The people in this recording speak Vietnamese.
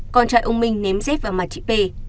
con trai ông minh ném dép vào mặt chị p